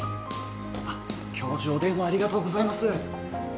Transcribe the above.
あっ教授お電話ありがとうございます。